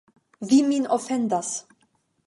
Vi min ofendas!